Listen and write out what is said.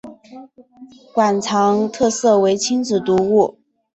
馆藏特色为亲子读物。